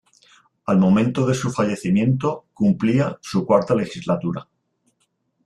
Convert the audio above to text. Al momento de se fallecimiento cumplía su cuarta legislatura.